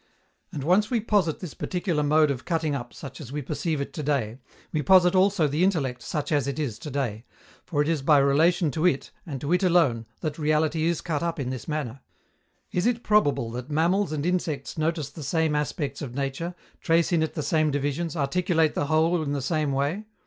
And once we posit this particular mode of cutting up such as we perceive it to day, we posit also the intellect such as it is to day, for it is by relation to it, and to it alone, that reality is cut up in this manner. Is it probable that mammals and insects notice the same aspects of nature, trace in it the same divisions, articulate the whole in the same way?